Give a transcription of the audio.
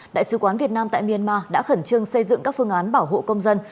đại sứ quán việt nam tại myanmar đã khẩn trương xây dựng các phương án bảo hộ công dân